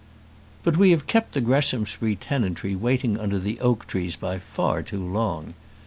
But we have kept the Greshamsbury tenantry waiting under the oak trees by far too long.